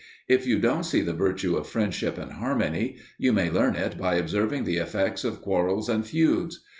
If you don't see the virtue of friendship and harmony, you may learn it by observing the effects of quarrels and feuds.